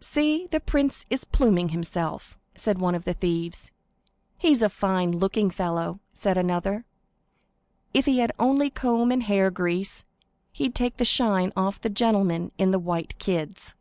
"See, the prince is pluming himself," said one of the thieves. "He's a fine looking fellow," said another; "if he had only a comb and hair grease, he'd take the shine off the gentlemen in white kids."